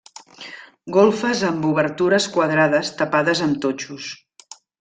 Golfes amb obertures quadrades tapades amb totxos.